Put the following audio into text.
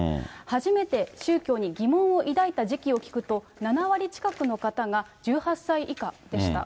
初めて宗教に疑問を抱いた時期を聞くと、７割近くの方が１８歳以下でした。